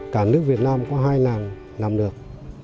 cả nước việt nam có hai làng làm lược